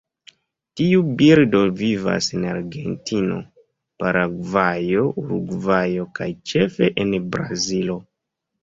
Tiu birdo vivas en Argentino, Paragvajo, Urugvajo kaj ĉefe en Brazilo.